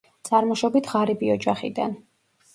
წარმოშობით ღარიბი ოჯახიდან.